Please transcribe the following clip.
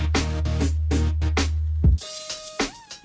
yang lebih murah dia sudah berada di desa